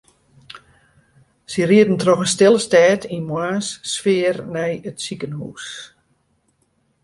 Hja rieden troch de stille stêd yn moarnssfear nei it sikehús.